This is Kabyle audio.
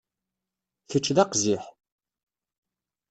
Kečč d aqziḥ.